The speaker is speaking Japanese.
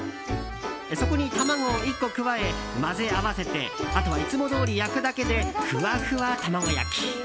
そこに卵を１個加え混ぜ合わせてあとは、いつもどおり焼くだけでふわふわ卵焼き。